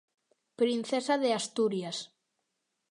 Princesa de Asturias.